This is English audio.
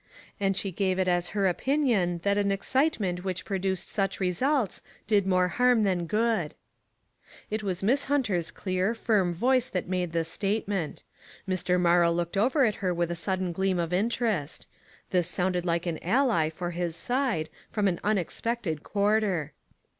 And she gave it as her opinion that an excitement which produced such results did more harm than good." It was Miss Hunter's clear, firm voice that made this statement. Mr. Morrow 312 ONE COMMONPLACE DAY. looked over at her with a sudden gleam of interest. This sounded like an ally for his side, from an unexpected quarter.